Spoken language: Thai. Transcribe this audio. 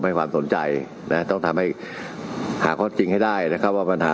มีศาสตราจารย์พิเศษวิชามหาคุณเป็นประเทศด้านกรวมความวิทยาลัยธรรม